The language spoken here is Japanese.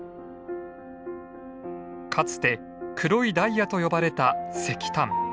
かつて黒いダイヤと呼ばれた石炭。